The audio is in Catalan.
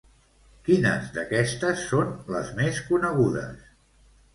Quines d'aquestes són les més conegudes?